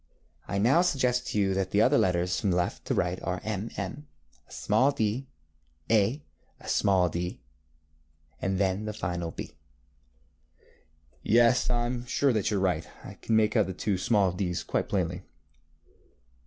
ŌĆØ ŌĆ£I now suggest to you that the other letters from left to right are, M, M, a small d, A, a small d, and then the final B.ŌĆØ ŌĆ£Yes, I am sure that you are right. I can make out the two small dŌĆÖs quite plainly.